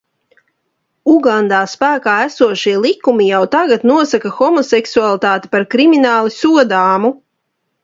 Ugandā spēkā esošie likumi jau tagad nosaka homoseksualitāti par krimināli sodāmu.